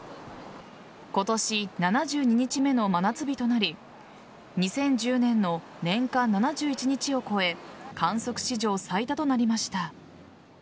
今年７２日目の真夏日となり２０１０年の年間７１日を超え観測史上最多となりました。